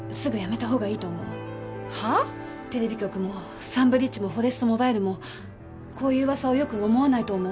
テレビ局もサンブリッジもフォレストモバイルもこういう噂をよく思わないと思う。